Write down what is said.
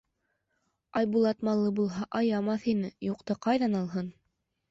Айбулат, малы булһа, аямаҫ ине, юҡты ҡайҙан алһын.